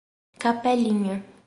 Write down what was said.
Capelinha